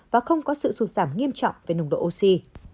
và không có sự sụt giảm nghiêm trọng về nồng độ oxy